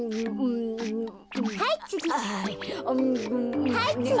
はいつぎ。